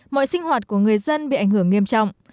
mọi sinh hoạt của người dân bị ảnh hưởng nghiêm trọng